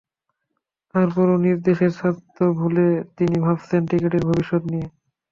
তার পরও নিজ দেশের স্বার্থ ভুলে তিনি ভাবছেন ক্রিকেটের ভবিষ্যত্ নিয়ে।